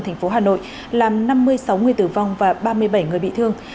thành phố hà nội làm năm mươi sáu người tử vong và ba mươi bảy người bị thương